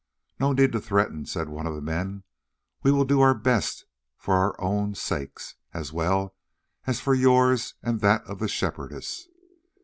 "No need to threaten," said one of the men; "we will do our best for our own sakes, as well as for yours and that of the Shepherdess.